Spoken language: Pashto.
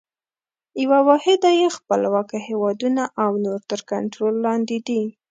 یوه واحده یې خپلواکه هیوادونه او نور تر کنټرول لاندي دي.